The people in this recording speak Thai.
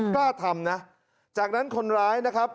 กล้าทำนะจากนั้นคนร้ายนะครับ